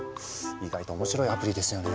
意外と面白いアプリですよね。